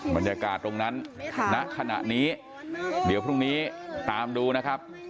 บรรยากาศตรงนั้นณขณะนี้เดี๋ยวพรุ่งนี้ตามดูนะครับ